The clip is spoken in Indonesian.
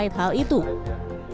pengembangan ebt di indonesia mengatakan